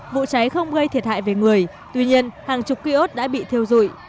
vụ cháy không gây thiệt hại về người tuy nhiên hàng chục ký ốt đã bị thiêu dụi